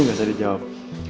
nggak usah dijawab